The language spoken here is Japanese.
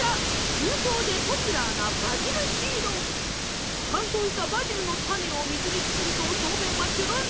中東でポピュラーな乾燥したバジルの種を水につけると表面はちゅるん！